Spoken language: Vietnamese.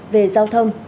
về giao thông